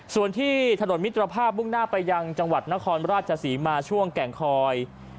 ส่วนที่ถนนมิตรภาพมุ่งหน้าไปยังจังหวัดนครราชศรีมาช่วงแก่งคอย